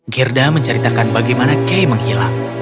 girda menceritakan bagaimana kay menghilang